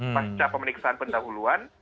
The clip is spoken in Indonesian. pasca pemeriksaan pendahuluan